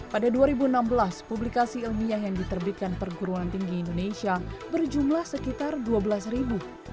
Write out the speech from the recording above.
pada dua ribu enam belas publikasi ilmiah yang diterbitkan perguruan tinggi indonesia berjumlah sekitar dua belas ribu